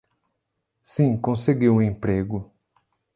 Sim, consegui um emprego.